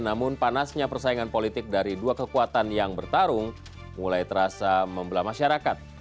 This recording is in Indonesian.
namun panasnya persaingan politik dari dua kekuatan yang bertarung mulai terasa membelah masyarakat